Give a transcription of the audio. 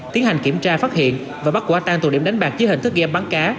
tiến hành kiểm tra phát hiện và bắt quả tang tù điểm đánh bạc dưới hình thức game bắn cá